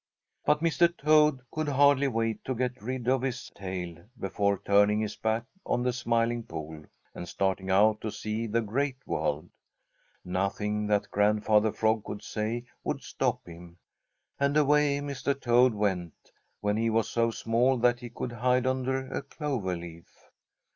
But Mr. Toad could hardly wait to get rid of his tail before turning his back on the Smiling Pool and starting out to see the Great World. Nothing that Grandfather Frog could say would stop him, and away Mr. Toad went, when he was so small that he could hide under a clover leaf.